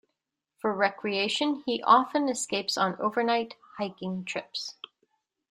For recreation he often escapes on overnight hiking trips.